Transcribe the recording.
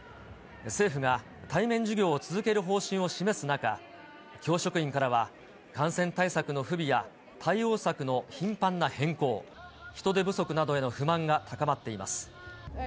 政府が対面授業を続ける方針を示す中、教職員からは、感染対策の不備や対応策の頻繁な変更、人手不足などへの不満が高まっています。